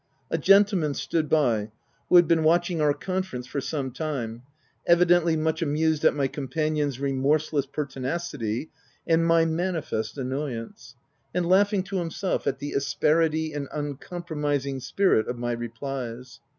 A gentleman stood by, who had been watching our conference for some time, evidently much amused at my companion's remorseless pertina city and my manifest annoyance, and laughing to himself at the asperity and uncompromising spirit of my replies.